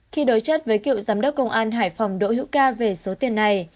khi đối chất với cựu giám đốc công an hải phòng đỗ hữu ca về số tiền này